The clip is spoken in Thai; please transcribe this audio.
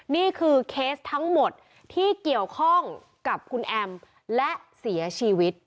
นี่คือเคสทั้งหมดที่เกี่ยวข้องกับคุณแอมและเสียชีวิต